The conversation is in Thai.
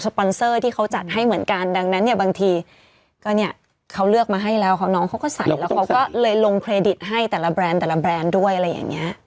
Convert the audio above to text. ปอนเซอร์ที่เขาจัดให้เหมือนกันดังนั้นเนี่ยบางทีก็เนี่ยเขาเลือกมาให้แล้วน้องเขาก็ใส่แล้วเขาก็เลยลงเครดิตให้แต่ละแบรนด์แต่ละแบรนด์ด้วยอะไรอย่างเงี้ย